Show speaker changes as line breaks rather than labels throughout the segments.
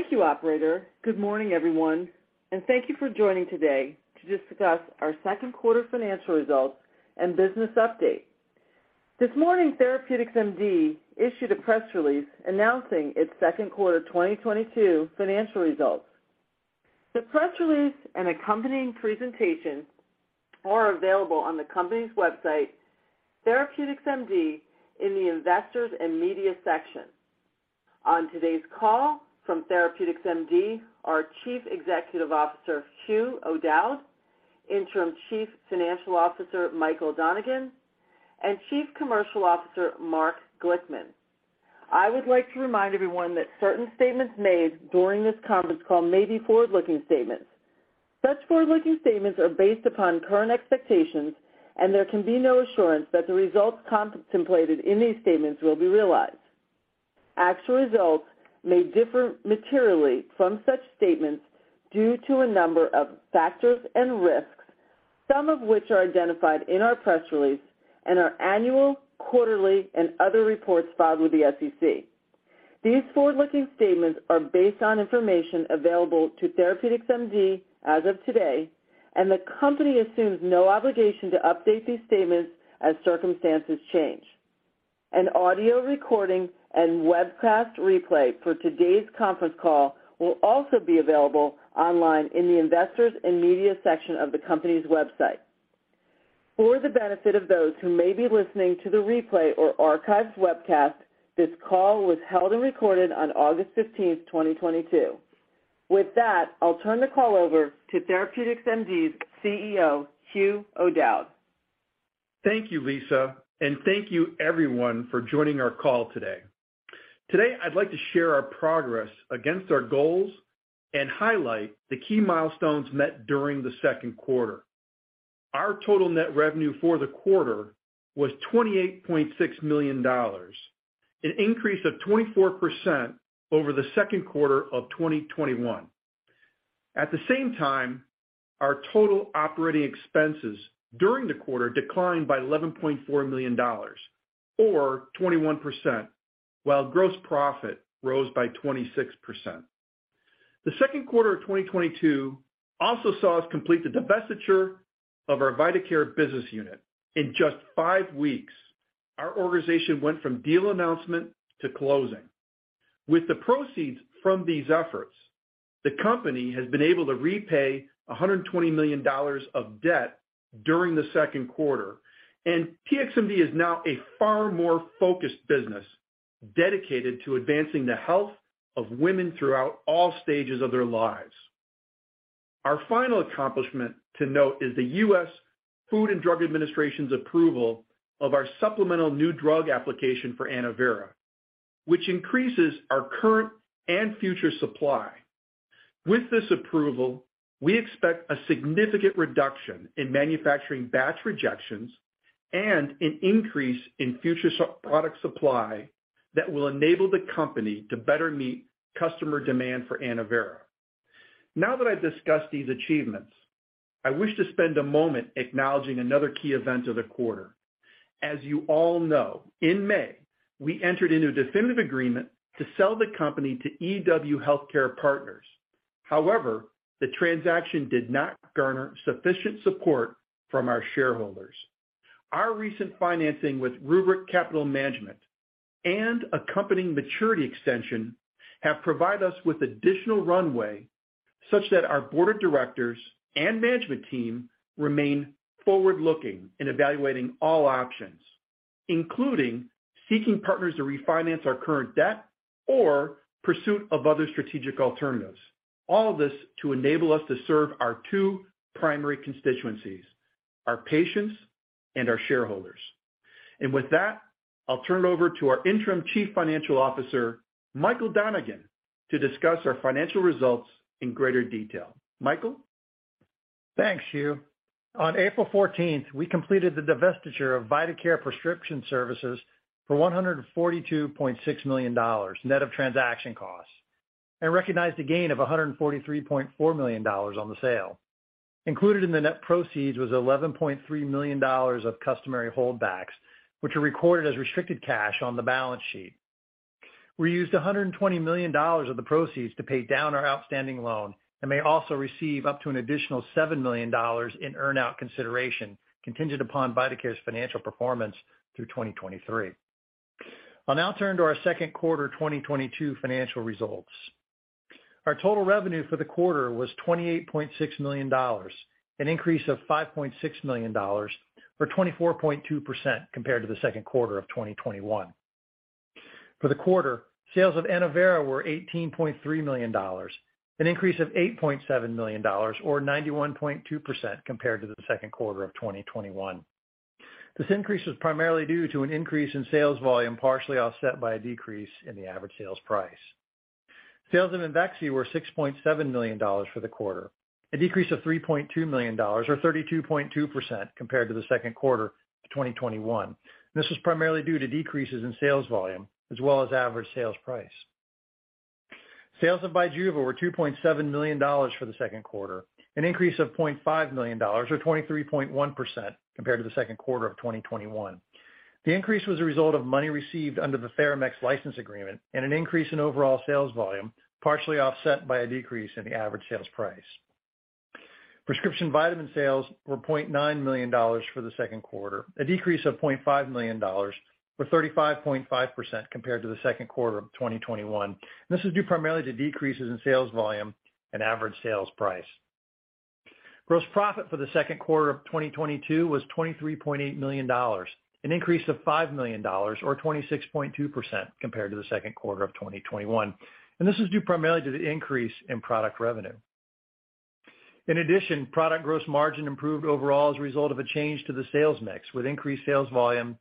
Thank you operator. Good morning everyone, and thank you for joining today to discuss our second quarter financial results and business update. This morning, TherapeuticsMD issued a press release announcing its second quarter 2022 financial results. The press release and accompanying presentation are available on the company's website, TherapeuticsMD, in the Investors and Media section. On today's call from TherapeuticsMD, our Chief Executive Officer, Hugh O'Dowd, Interim Chief Financial Officer, Michael Donegan, and Chief Commercial Officer, Mark Glickman. I would like to remind everyone that certain statements made during this conference call may be forward-looking statements. Such forward-looking statements are based upon current expectations, and there can be no assurance that the results contemplated in these statements will be realized. Actual results may differ materially from such statements due to a number of factors and risks, some of which are identified in our press release and our annual, quarterly, and other reports filed with the SEC. These forward-looking statements are based on information available to TherapeuticsMD as of today, and the company assumes no obligation to update these statements as circumstances change. An audio recording and webcast replay for today's conference call will also be available online in the Investors and Media section of the company's website. For the benefit of those who may be listening to the replay or archived webcast, this call was held and recorded on August fifteenth, 2022. With that, I'll turn the call over to TherapeuticsMD's CEO, Hugh O'Dowd.
Thank you, Lisa, and thank you everyone for joining our call today. Today, I'd like to share our progress against our goals and highlight the key milestones met during the second quarter. Our total net revenue for the quarter was $28.6 million, an increase of 24% over the second quarter of 2021. At the same time, our total operating expenses during the quarter declined by $11.4 million or 21%, while gross profit rose by 26%. The second quarter of 2022 also saw us complete the divestiture of our vitaCare business unit. In just five weeks, our organization went from deal announcement to closing. With the proceeds from these efforts, the company has been able to repay $120 million of debt during the second quarter. TXMD is now a far more focused business dedicated to advancing the health of women throughout all stages of their lives. Our final accomplishment to note is the US Food and Drug Administration's approval of our Supplemental New Drug Application for ANNOVERA, which increases our current and future supply. With this approval, we expect a significant reduction in manufacturing batch rejections and an increase in future product supply that will enable the company to better meet customer demand for ANNOVERA. Now that I've discussed these achievements, I wish to spend a moment acknowledging another key event of the quarter. As you all know, in May, we entered into a definitive agreement to sell the company to EW Healthcare Partners. However, the transaction did not garner sufficient support from our shareholders. Our recent financing with Rubric Capital Management and accompanying maturity extension have provided us with additional runway such that our board of directors and management team remain forward-looking in evaluating all options, including seeking partners to refinance our current debt or pursuit of other strategic alternatives. All of this to enable us to serve our two primary constituencies, our patients and our shareholders. With that, I'll turn it over to our Interim Chief Financial Officer, Michael Donegan, to discuss our financial results in greater detail. Michael?
Thanks, Hugh. On April fourteenth, we completed the divestiture of vitaCare Prescription Services for $142.6 million, net of transaction costs, and recognized a gain of $143.4 million on the sale. Included in the net proceeds was $11.3 million of customary holdbacks, which are recorded as restricted cash on the balance sheet. We used $120 million of the proceeds to pay down our outstanding loan and may also receive up to an additional $7 million in earn out consideration contingent upon vitaCare's financial performance through 2023. I'll now turn to our second quarter 2022 financial results. Our total revenue for the quarter was $28.6 million, an increase of $5.6 million or 24.2% compared to the second quarter of 2021. For the quarter, sales of ANNOVERA were $18.3 million, an increase of $8.7 million or 91.2% compared to the second quarter of 2021. This increase was primarily due to an increase in sales volume, partially offset by a decrease in the average sales price. Sales of IMVEXXY were $6.7 million for the quarter. A decrease of $3.2 million or 32.2% compared to the second quarter of 2021. This was primarily due to decreases in sales volume as well as average sales price. Sales of BIJUVA were $2.7 million for the second quarter, an increase of $0.5 million or 23.1% compared to the second quarter of 2021. The increase was a result of money received under the Theramex license agreement and an increase in overall sales volume, partially offset by a decrease in the average sales price. Prescription vitamin sales were $0.9 million for the second quarter, a decrease of $0.5 million, or 35.5% compared to the second quarter of 2021. This is due primarily to decreases in sales volume and average sales price. Gross profit for the second quarter of 2022 was $23.8 million, an increase of $5 million, or 26.2% compared to the second quarter of 2021. This is due primarily to the increase in product revenue. In addition, product gross margin improved overall as a result of a change to the sales mix, with increased sales volume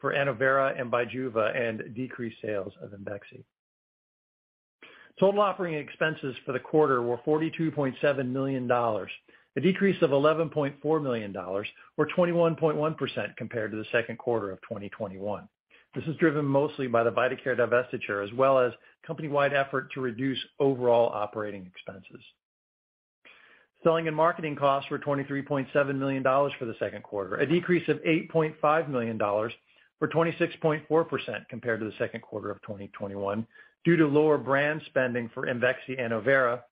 for ANNOVERA and BIJUVA and decreased sales of IMVEXXY. Total operating expenses for the quarter were $42.7 million, a decrease of $11.4 million or 21.1% compared to the second quarter of 2021. This is driven mostly by the vitaCare divestiture, as well as company-wide effort to reduce overall operating expenses. Selling and marketing costs were $23.7 million for the second quarter, a decrease of $8.5 million, or 26.4% compared to the second quarter of 2021 due to lower brand spending for IMVEXXY, ANNOVERA,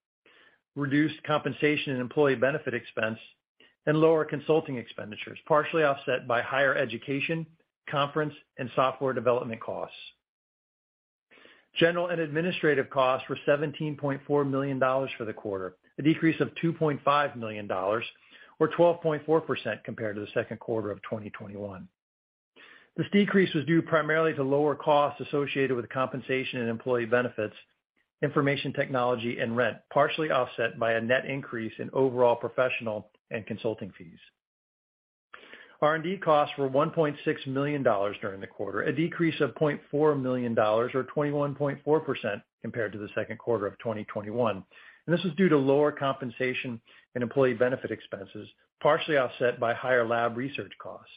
reduced compensation and employee benefit expense, and lower consulting expenditures, partially offset by higher education, conference, and software development costs. General and administrative costs were $17.4 million for the quarter, a decrease of $2.5 million or 12.4% compared to the second quarter of 2021. This decrease was due primarily to lower costs associated with compensation and employee benefits, information technology and rent, partially offset by a net increase in overall professional and consulting fees. R&D costs were $1.6 million during the quarter, a decrease of $0.4 million, or 21.4% compared to the second quarter of 2021, and this was due to lower compensation and employee benefit expenses, partially offset by higher lab research costs.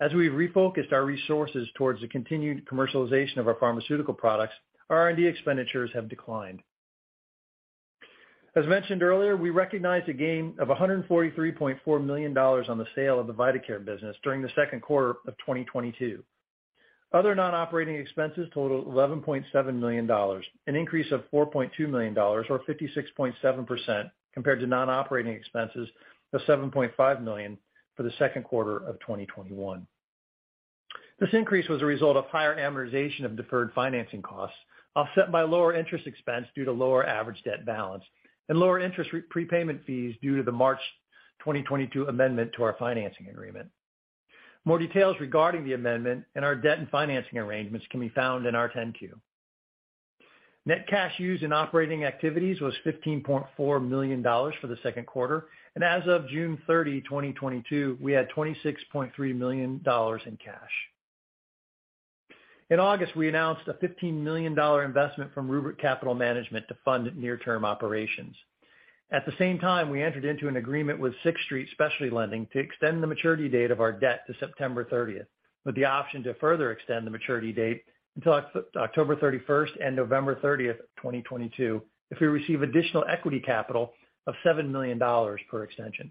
As we refocused our resources towards the continued commercialization of our pharmaceutical products, R&D expenditures have declined. As mentioned earlier, we recognized a gain of $143.4 million on the sale of the vitaCare business during the second quarter of 2022. Other non-operating expenses totaled $11.7 million, an increase of $4.2 million, or 56.7% compared to non-operating expenses of $7.5 million for the second quarter of 2021. This increase was a result of higher amortization of deferred financing costs, offset by lower interest expense due to lower average debt balance and lower interest and prepayment fees due to the March 2022 amendment to our financing agreement. More details regarding the amendment and our debt and financing arrangements can be found in our 10-Q. Net cash used in operating activities was $15.4 million for the second quarter, and as of June 30, 2022, we had $26.3 million in cash. In August, we announced a $15 million investment from Rubric Capital Management to fund near-term operations. At the same time, we entered into an agreement with Sixth Street Specialty Lending to extend the maturity date of our debt to September thirtieth, with the option to further extend the maturity date until October 31st and November thirtieth, 2022, if we receive additional equity capital of $7 million per extension.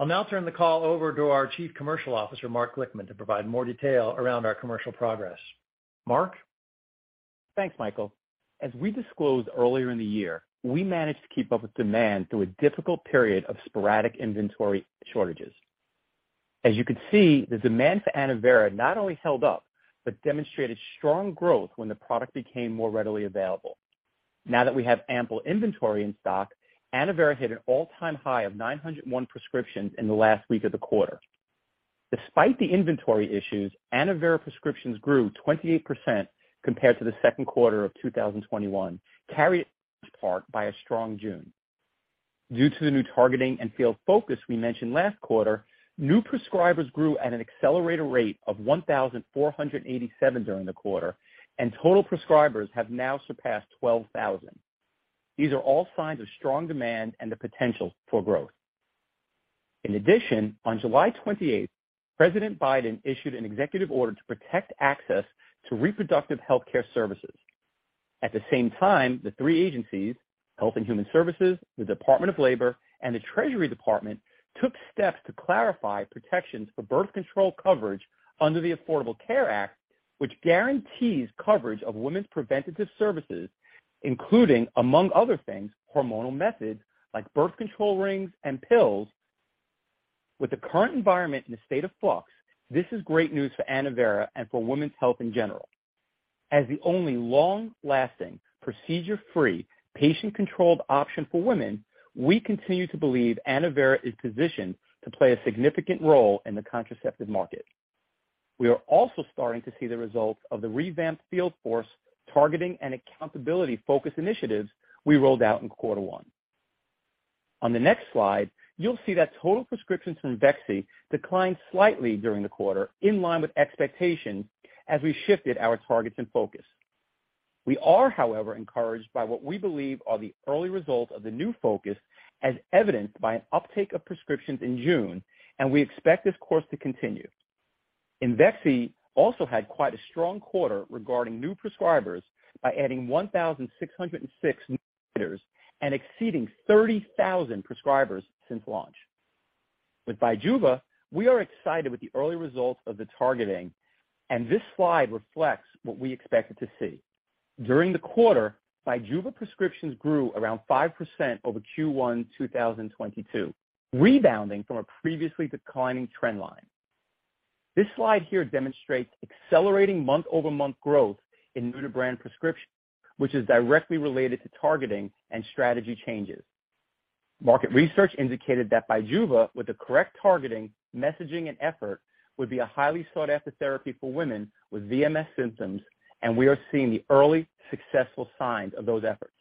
I'll now turn the call over to our Chief Commercial Officer, Mark Glickman, to provide more detail around our commercial progress. Mark?
Thanks, Michael. As we disclosed earlier in the year, we managed to keep up with demand through a difficult period of sporadic inventory shortages. As you can see, the demand for ANNOVERA not only held up, but demonstrated strong growth when the product became more readily available. Now that we have ample inventory in stock, ANNOVERA hit an all-time high of 901 prescriptions in the last week of the quarter. Despite the inventory issues, ANNOVERA prescriptions grew 28% compared to the second quarter of 2021, carried in large part by a strong June. Due to the new targeting and field focus we mentioned last quarter, new prescribers grew at an accelerated rate of 1,487 during the quarter, and total prescribers have now surpassed 12,000. These are all signs of strong demand and the potential for growth. In addition, on July 28, President Biden issued an executive order to protect access to reproductive healthcare services. At the same time, the three agencies, Health and Human Services, the Department of Labor, and the Treasury Department, took steps to clarify protections for birth control coverage under the Affordable Care Act, which guarantees coverage of women's preventative services, including, among other things, hormonal methods like birth control rings and pills. With the current environment in a state of flux, this is great news for ANNOVERA and for women's health in general. As the only long-lasting, procedure-free, patient-controlled option for women, we continue to believe ANNOVERA is positioned to play a significant role in the contraceptive market. We are also starting to see the results of the revamped field force targeting and accountability focus initiatives we rolled out in quarter one. On the next slide, you'll see that total prescriptions from IMVEXXY declined slightly during the quarter, in line with expectations as we shifted our targets in focus. We are, however, encouraged by what we believe are the early results of the new focus, as evidenced by an uptake of prescriptions in June, and we expect this course to continue. IMVEXXY also had quite a strong quarter regarding new prescribers by adding 1,006 new and exceeding 30,000 prescribers since launch. With BIJUVA, we are excited with the early results of the targeting, and this slide reflects what we expected to see. During the quarter, BIJUVA prescriptions grew around 5% over Q1 2022, rebounding from a previously declining trend line. This slide here demonstrates accelerating month-over-month growth in BIJUVA brand prescriptions, which is directly related to targeting and strategy changes. Market research indicated that BIJUVA, with the correct targeting, messaging, and effort, would be a highly sought-after therapy for women with VMS symptoms, and we are seeing the early successful signs of those efforts.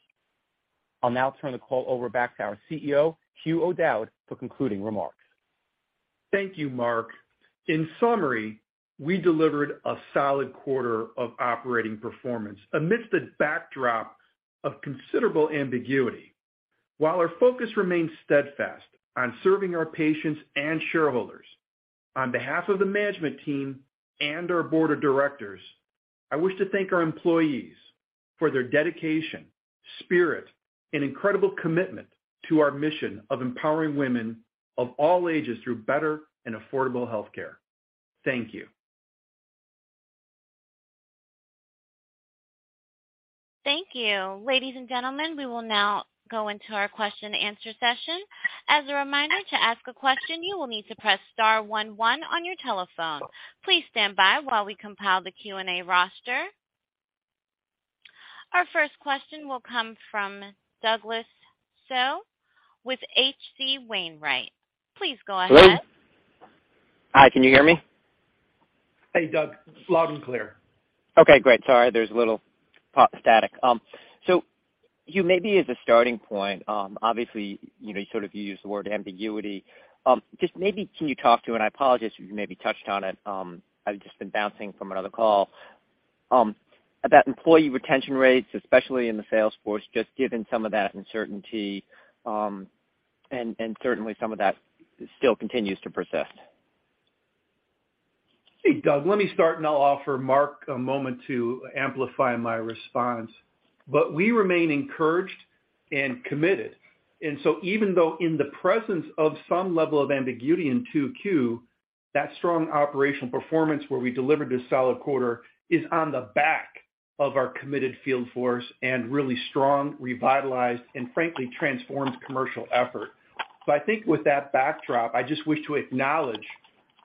I'll now turn the call over back to our CEO, Hugh O'Dowd, for concluding remarks.
Thank you, Mark. In summary, we delivered a solid quarter of operating performance amidst the backdrop of considerable ambiguity. While our focus remains steadfast on serving our patients and shareholders, on behalf of the management team and our board of directors, I wish to thank our employees for their dedication, spirit, and incredible commitment to our mission of empowering women of all ages through better and affordable health care. Thank you.
Thank you. Ladies and gentlemen, we will now go into our question-and-answer session. As a reminder, to ask a question, you will need to press star one one on your telephone. Please stand by while we compile the Q&A roster. Our first question will come from Douglas Tsao with H.C. Wainwright & Co. Please go ahead.
Hello? Hi, can you hear me?
Hey, Doug. Loud and clear.
Okay, great. Sorry, there's a little static. Hugh, maybe as a starting point, obviously, you know, you sort of used the word ambiguity. Just maybe can you talk to, and I apologize if you maybe touched on it, I've just been bouncing from another call, about employee retention rates, especially in the sales force, just given some of that uncertainty, and certainly some of that still continues to persist.
Hey, Doug. Let me start, and I'll offer Mark a moment to amplify my response. We remain encouraged and committed. Even though in the presence of some level of ambiguity in 2Q, that strong operational performance where we delivered this solid quarter is on the back of our committed field force and really strong, revitalized, and frankly, transformed commercial effort. I think with that backdrop, I just wish to acknowledge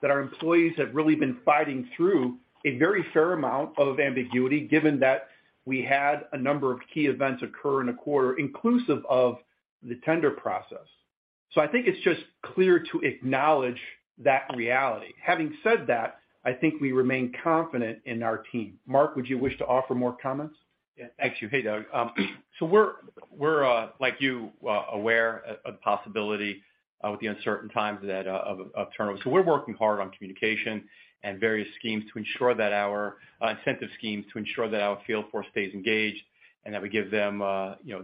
that our employees have really been fighting through a very fair amount of ambiguity given that we had a number of key events occur in a quarter inclusive of the tender process. I think it's just clear to acknowledge that reality. Having said that, I think we remain confident in our team. Mark, would you wish to offer more comments?
Yeah. Thanks, Hugh. Hey, Doug. We're like you aware of the possibility with the uncertain times that of turnover. We're working hard on communication and various incentive schemes to ensure that our field force stays engaged and that we give them you know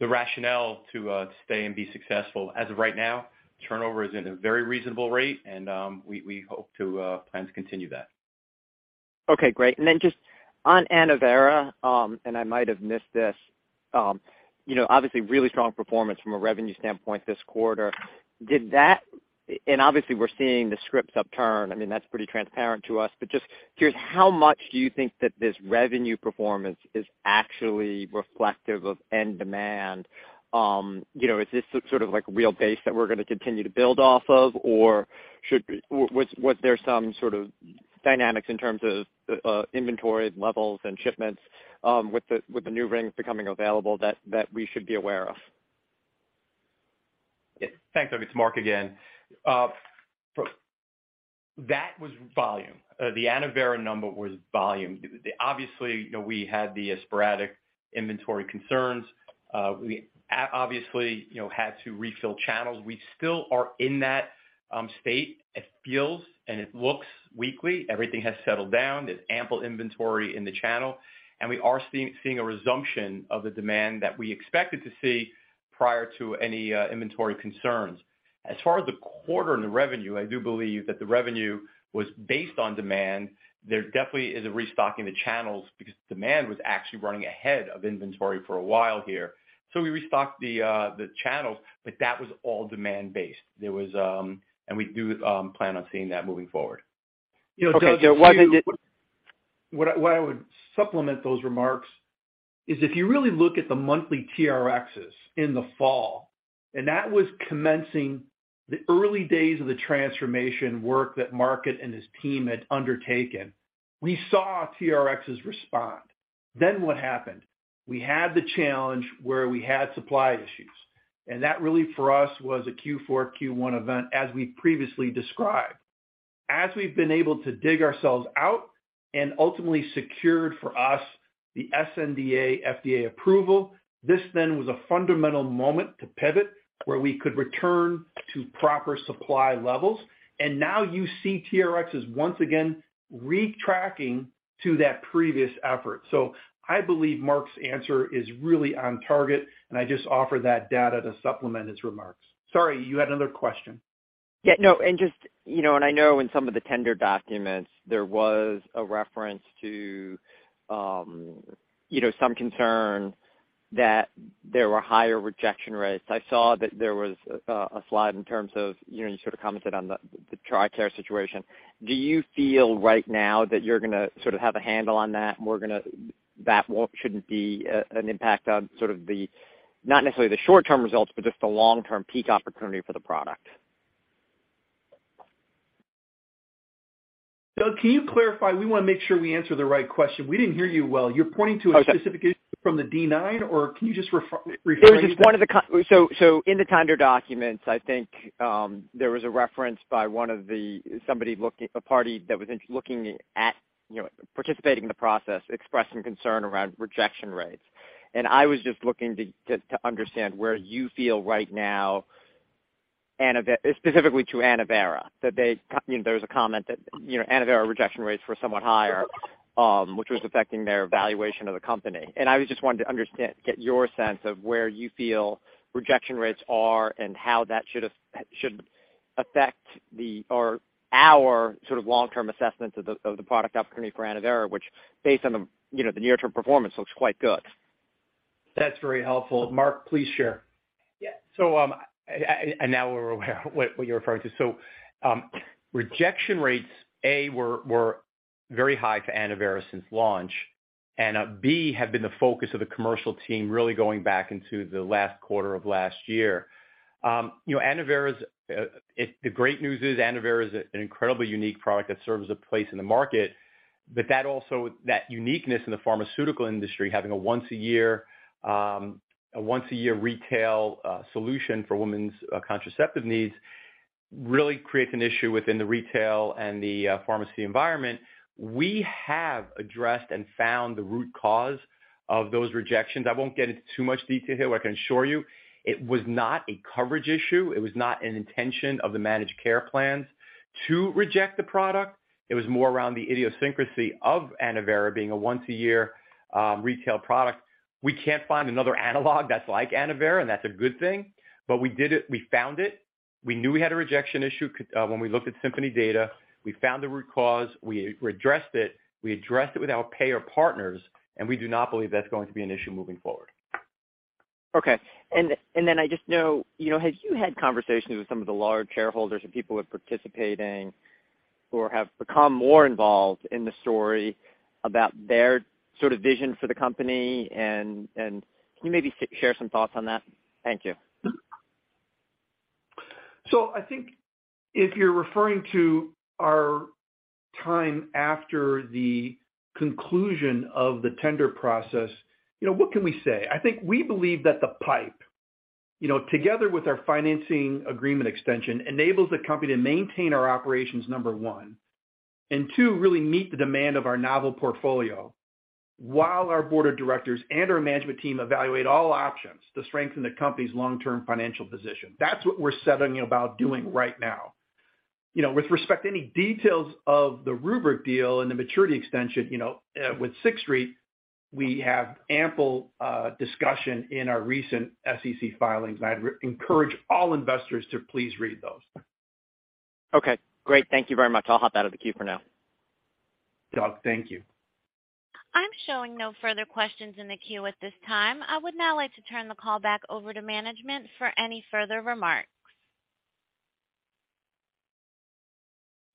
the rationale to stay and be successful. As of right now, turnover is at a very reasonable rate, and we hope to plan to continue that.
Okay, great. Just on ANNOVERA, and I might have missed this, you know, obviously really strong performance from a revenue standpoint this quarter. Obviously we're seeing the script upturn. I mean, that's pretty transparent to us. Just curious, how much do you think that this revenue performance is actually reflective of end demand? Is this sort of like real base that we're gonna continue to build off of? Or was there some sort of dynamics in terms of inventory levels and shipments with the new rings becoming available that we should be aware of?
Yeah. Thanks, Doug. It's Mark again. That was volume. The ANNOVERA number was volume. Obviously, you know, we had the sporadic inventory concerns. We obviously, you know, had to refill channels. We still are in that state. It feels, and it looks weekly. Everything has settled down. There's ample inventory in the channel, and we are seeing a resumption of the demand that we expected to see prior to any inventory concerns. As far as the quarter and the revenue, I do believe that the revenue was based on demand. There definitely is a restocking the channels because demand was actually running ahead of inventory for a while here. So we restocked the channels, but that was all demand-based. We do plan on seeing that moving forward.
You know, Doug.
Okay.
What I would supplement those remarks is if you really look at the monthly TRx in the fall, and that was commencing the early days of the transformation work that Mark and his team had undertaken, we saw TRx respond. What happened? We had the challenge where we had supply issues, and that really for us was a Q4, Q1 event as we previously described. As we've been able to dig ourselves out and ultimately secured for us the sNDA FDA approval, this then was a fundamental moment to pivot where we could return to proper supply levels. Now you see TRx once again retracing to that previous effort. I believe Mark's answer is really on target, and I just offer that data to supplement his remarks. Sorry, you had another question.
Yeah, no. Just, you know, I know in some of the tender documents, there was a reference to, you know, some concern that there were higher rejection rates. I saw that there was a slide in terms of, you know, you sort of commented on the TRICARE situation. Do you feel right now that you're gonna sort of have a handle on that and shouldn't be an impact on sort of the, not necessarily the short-term results, but just the long-term peak opportunity for the product?
Doug, can you clarify? We wanna make sure we answer the right question. We didn't hear you well. You're pointing to a specific issue from the Slide 9 or can you just rephrase that?
In the tender documents, I think, there was a reference by one of the parties looking at, you know, participating in the process, expressing concern around rejection rates. I was just looking to understand where you feel right now, specifically to ANNOVERA, that they, you know, there was a comment that, you know, ANNOVERA rejection rates were somewhat higher, which was affecting their valuation of the company. I was just wanting to understand, get your sense of where you feel rejection rates are and how that should affect the or our sort of long-term assessments of the product opportunity for ANNOVERA, which based on the, you know, the near term performance, looks quite good.
That's very helpful. Mark, please share.
Yeah. Now we're aware what you're referring to. Rejection rates, A, were very high for ANNOVERA since launch, and B, have been the focus of the commercial team really going back into the last quarter of last year. You know, ANNOVERA's the great news is ANNOVERA is an incredibly unique product that serves a place in the market. That also, that uniqueness in the pharmaceutical industry, having a once a year retail solution for women's contraceptive needs, really creates an issue within the retail and the pharmacy environment. We have addressed and found the root cause of those rejections. I won't get into too much detail here. I can assure you it was not a coverage issue, it was not an intention of the managed care plans to reject the product. It was more around the idiosyncrasy of ANNOVERA being a once a year retail product. We can't find another analog that's like ANNOVERA, and that's a good thing. We did it. We found it. We knew we had a rejection issue when we looked at Symphony data. We found the root cause. We addressed it. We addressed it with our payer partners, and we do not believe that's going to be an issue moving forward.
Okay. I just know, you know, have you had conversations with some of the large shareholders and people who are participating or have become more involved in the story about their sort of vision for the company? Can you maybe share some thoughts on that? Thank you.
I think if you're referring to our time after the conclusion of the tender process, you know, what can we say? I think we believe that the PIPE, you know, together with our financing agreement extension, enables the company to maintain our operations, number one, and two, really meet the demand of our novel portfolio while our board of directors and our management team evaluate all options to strengthen the company's long-term financial position. That's what we're setting about doing right now. You know, with respect to any details of the Rubric deal and the maturity extension, you know, with Sixth Street, we have ample discussion in our recent SEC filings. I'd encourage all investors to please read those.
Okay, great. Thank you very much. I'll hop out of the queue for now.
Doug, thank you.
I'm showing no further questions in the queue at this time. I would now like to turn the call back over to management for any further remarks.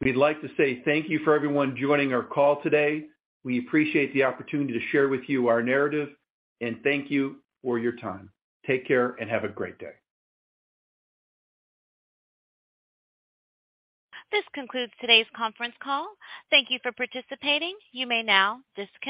We'd like to say thank you for everyone joining our call today. We appreciate the opportunity to share with you our narrative, and thank you for your time. Take care, and have a great day.
This concludes today's conference call. Thank you for participating. You may now disconnect.